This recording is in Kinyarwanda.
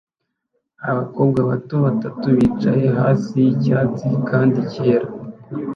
Abakobwa batatu bato bicaye hasi yicyatsi kandi cyera